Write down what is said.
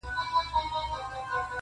زما د قبر سر ته ارغوان به غوړېدلی وي -